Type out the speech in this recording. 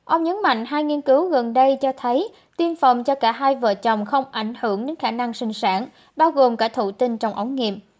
ông nhấn mạnh hai nghiên cứu gần đây cho thấy tiêm phòng cho cả hai vợ chồng không ảnh hưởng đến khả năng sinh sản bao gồm cả thụ tinh trong ống nghiệm